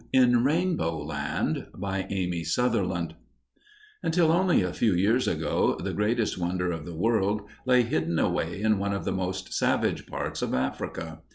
IN RAINBOW LAND BY AMY SUTHERLAND Until only a few years ago, the Greatest Wonder of the World lay hidden away in one of the most savage parts of Africa.